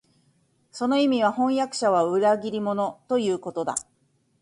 その意味は、飜訳者は裏切り者、ということだ